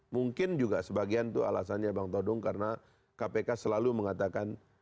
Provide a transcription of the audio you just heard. mungkin juga sebagian itu alasannya bang todung karena kpk selalu mengatakan